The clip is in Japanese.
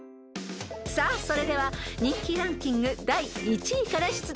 ［さあそれでは人気ランキング第１位から出題］